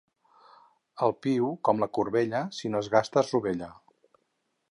El piu, com la corbella, si no es gasta es rovella.